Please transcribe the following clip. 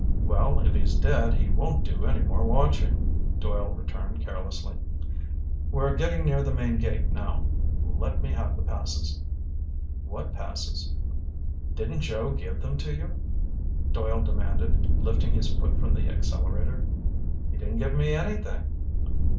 "Well, if he's dead he won't do any more watching," Doyle returned carelessly. "We're getting near the main gate now. Let me have the passes." "What passes?" "Didn't Joe give them to you?" Doyle demanded, lifting his foot from the accelerator. "He didn't give me anything."